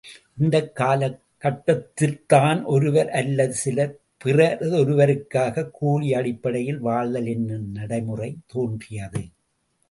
இந்தக் காலக் கட்டத்தில்தான் ஒருவர் அல்லது சிலர் பிறிதொருவருக்காகக் கூலி அடிப்படையில் வாழ்தல் என்னும் நடைமுறைத் தோன்றியது.